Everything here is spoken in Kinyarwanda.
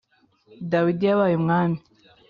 dawidi yabaye umwami